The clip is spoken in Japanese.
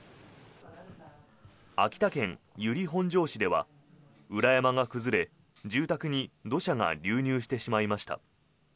秋田県由利本荘市では裏山が崩れ住宅に土砂が流入してしまいました。